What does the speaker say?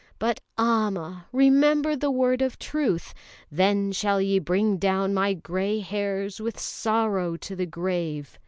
But Amma! remember the word of truth: 'Then shall ye bring down my grey hairs with sorrow to the grave.'"